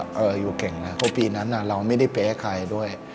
เพราะปีนั้นเราไม่ได้แพ้ใครด้วย